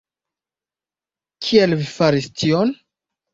Kial vi faras tion?